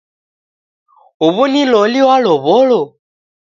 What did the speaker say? Huw'u ni loli walow'olo?